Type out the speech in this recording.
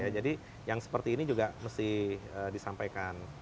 jadi yang seperti ini juga mesti disampaikan